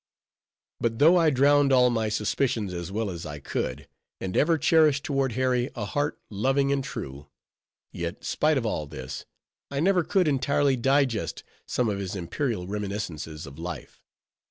But though I drowned all my suspicions as well as I could, and ever cherished toward Harry a heart, loving and true; yet, spite of all this, I never could entirely digest some of his imperial reminiscences of high life.